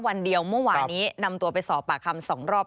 วันเดียวเมื่อวานนี้นำตัวไปสอบปากคำ๒รอบ